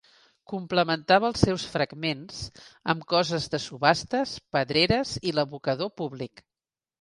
Complementava els seus fragments amb coses de subhastes, pedreres i l'abocador públic.